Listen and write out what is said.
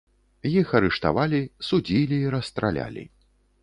Іх арыштавалі, судзілі і расстралялі.